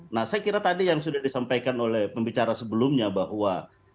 nah saya kira tadi yang sudah disampaikan oleh pembicara sebelumnya bahwa